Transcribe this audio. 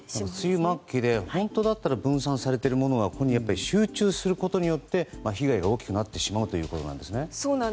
梅雨末期で本当なら分散されているものが集中することによって被害が大きくなってしまうということですね。